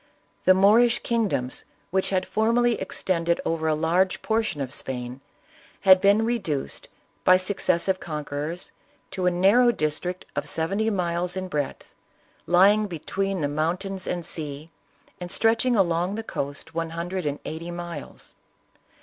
The Moorish kingdom, which had formerly extend ed over a large portion of Spain, had been reduced, by successive conquerors, to a narrow district of seventy miles in breadth, lying between the mountains and sea, and stretching along the coast one hundred and eighty miles.